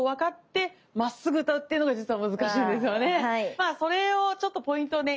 まあそれをちょっとポイントをね